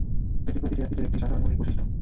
এটি প্রতিটি অ্যাসিডের একটি সাধারণ মৌলিক বৈশিষ্ট্য।